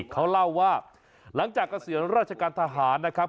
เขาเล่าว่าหลังจากเกษียณราชการทหารนะครับ